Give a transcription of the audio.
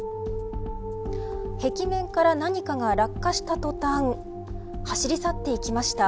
壁面から何かが落下したとたん走り去っていきました。